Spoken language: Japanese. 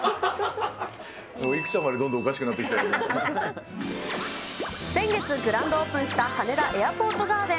育ちゃんまでどんどんおかし先月グランドオープンした羽田エアポートガーデン。